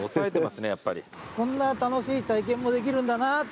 こんな楽しい体験もできるんだなっていう。